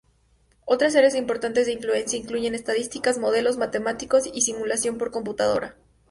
Otras áreas importantes de influencia incluyen estadísticas, modelos matemáticos y simulación por computadora.